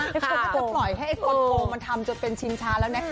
พี่สังว่าจะปล่อยให้คนโกงมาทำจะเป็นชินช้าแล้วแน็ก